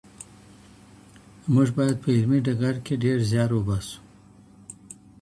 موږ باید په علمي ډګر کي ډېر زیار وباسو.